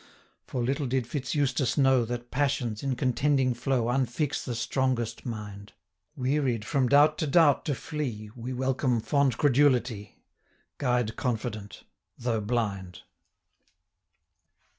For little did Fitz Eustace know, That passions, in contending flow, 585 Unfix the strongest mind; Wearied from doubt to doubt to flee, We welcome fond credulity, Guide confident, though blind.